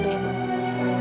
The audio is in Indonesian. gak ada yang jauh